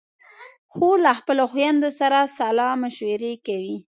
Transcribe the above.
خور له خپلو خویندو سره سلا مشورې کوي.